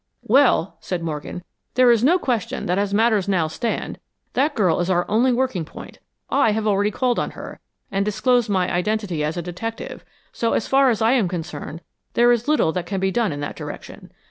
"Well," said Morgan, "there's no question that as matters now stand, that girl is our only working point. I have already called on her, and disclosed my identity as a detective, so as far as I am concerned there is little that can be done in that direction.